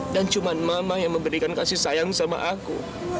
dan cuman mama yang memberikan kasih sayang sama aku